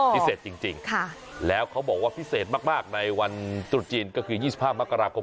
พิเศษจริงจริงค่ะแล้วเขาบอกว่าพิเศษมากมากในวันจุดจีนก็คือยี่สิบห้ามกราคม